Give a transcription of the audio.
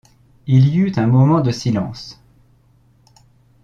Il y eut un moment de silence